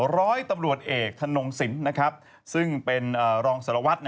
ร้อยตำรวจเอกธนงศิลป์ซึ่งเป็นรองสารวัตร